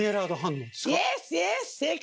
正解！